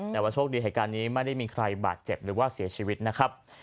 แต่ว่าโชคดีเหตุการณ์นี้ไม่ได้มีใครบาดเจ็บหรือว่าเสียชีวิตนะครับ